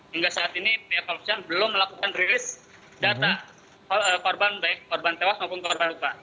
hingga saat ini pihak kepolisian belum melakukan rilis data korban baik korban tewas maupun korban luka